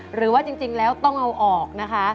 หรือว่าจริงแล้วต้องเอาออกนะคะ